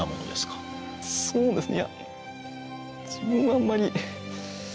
藤井：そうですね。